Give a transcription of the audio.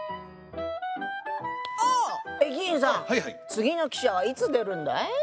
次の汽車はいつ出るんだい？